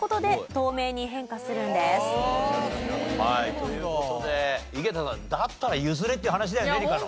という事で井桁さんだったら譲れっていう話だよね理科も。